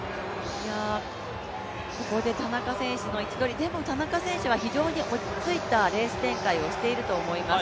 ここで田中選手の位置取りでも田中選手は非常に落ち着いたレース展開をしていると思います。